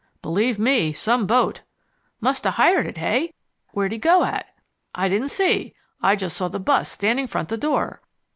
"Believe me, some boat." "Musta hired it, hey? Where'd he go at?" "I didn't see. I just saw the bus standing front the door."